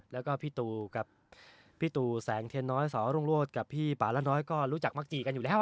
แล้วก็พี่ตูกับพี่ตูแสงเทียนน้อยสอรุ่งโรศกับพี่ป่าละน้อยก็รู้จักมักจีกันอยู่แล้ว